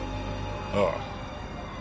ああ。